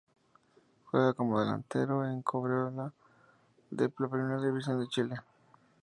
Juega como delantero en Cobreloa de la Primera División de Chile.